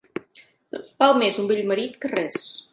Val més un vell marit que res.